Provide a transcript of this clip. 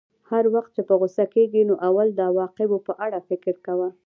هر وخت چې په غوسه کېږې نو اول د عواقبو په اړه فکر کوه.